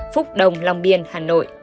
phúc đồng long biên hà nội